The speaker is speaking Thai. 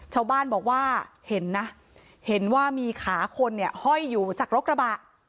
ชาวบ้านบอกว่าเห็นนะเห็นว่ามีขาคนเนี่ยห้อยอยู่จากรถกระบะ